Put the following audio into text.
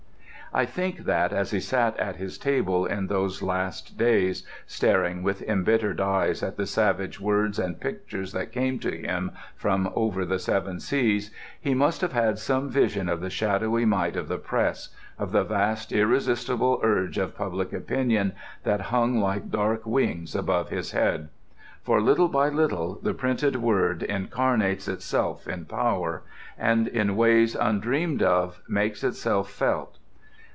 I think that as he sat at his table in those last days, staring with embittered eyes at the savage words and pictures that came to him from over the seven seas, he must have had some vision of the shadowy might of the press, of the vast irresistible urge of public opinion, that hung like dark wings above his head. For little by little the printed word incarnates itself in power, and in ways undreamed of makes itself felt.